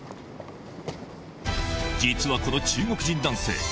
実はこの中国人男性